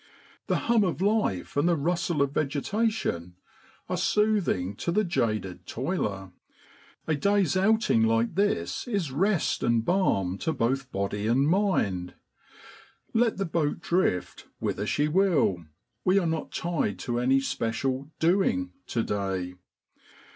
The hum of life and the rustle of vegetation are soothing to A QUIET CORNER. the jaded toiler; a day's outing like this is rest and balm to both body and mind. Let the boat drift whither she will, we are not tied to any special ' doing ' to day.